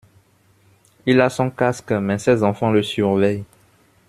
Il a son casque mais ses enfants le surveillent.